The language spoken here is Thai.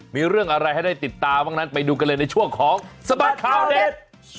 มีเรื่องอะไรให้ได้ติดตามบ้างนั้นไปดูกันเลยในช่วงของสบัดข่าวเด็ด